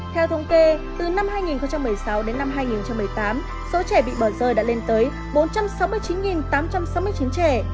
theo thống kê từ năm hai nghìn một mươi sáu đến năm hai nghìn một mươi tám số trẻ bị bỏ rơi đã lên tới bốn trăm sáu mươi chín tám trăm sáu mươi chín trẻ